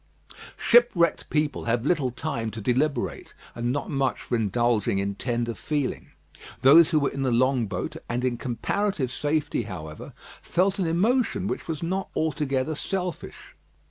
Shipwrecked people have little time to deliberate, and not much for indulging in tender feeling. Those who were in the long boat and in comparative safety, however, felt an emotion which was not altogether selfish.